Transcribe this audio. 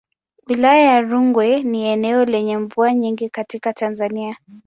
Wilaya ya Rungwe ni eneo lenye mvua nyingi katika Tanzania.